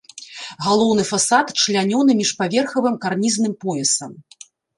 Галоўны фасад члянёны міжпаверхавым карнізным поясам.